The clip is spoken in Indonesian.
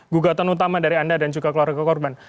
gugatan utama dari anda dan juga keluarga korban